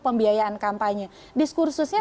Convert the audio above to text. pembiayaan kampanye diskursusnya